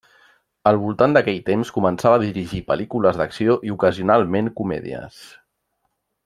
Al voltant d'aquell temps, començava a dirigir pel·lícules d'acció i ocasionalment comèdies.